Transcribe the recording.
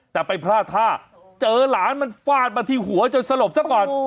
แต่ไปพลาดท่าเจอหลานมันฟาดมาที่หัวจนสลบซะก่อน